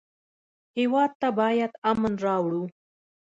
هېواد ته باید امن راوړو